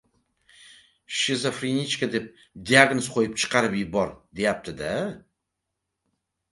Shizofrenichka, deb diagnoz qo‘yib chiqarib yubor, deyapti-da?